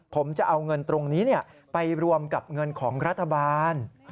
ผมจะเอาเงินตรงนี้ไปรวมกับเงินของรัฐบาล